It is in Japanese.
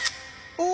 お！